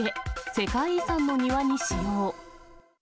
世界遺産の庭に使用。